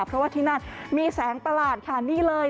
เพราะว่าที่นั่นมีแสงประหลาดค่ะนี่เลย